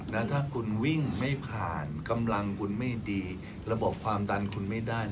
แล้วถ้าคุณวิ่งไม่ผ่านกำลังคุณไม่ดีระบบความดันคุณไม่ได้